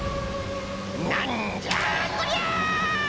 なんじゃこりゃ！？